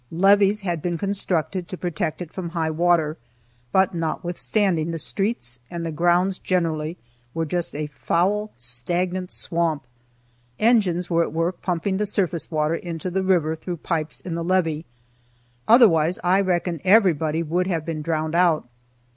Levees had been constructed to protect it from high water, but notwithstanding the streets and the grounds generally were just a foul, stagnant swamp. Engines were at work pumping the surface water into the river through pipes in the levee; otherwise I reckon everybody would have been drowned out.